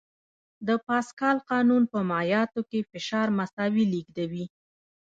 د پاسکال قانون په مایعاتو کې فشار مساوي لېږدوي.